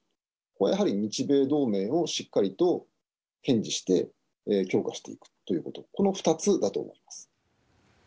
やはり日米同盟をしっかりと堅持して、強化していくということ、この２つだと思います。